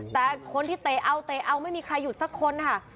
แต่คนที่เตะเอาเตะเอาไม่มีใครหยุดสักคนค่ะ